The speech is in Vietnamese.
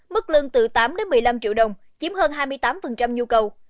mức lương từ tám đến một mươi năm triệu đồng chiếm hơn hai mươi tám nhu cầu